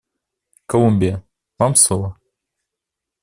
Колумбия, вам слово.